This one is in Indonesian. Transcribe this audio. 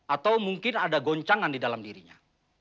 atau mungkin ada goncangan di dalam dirinya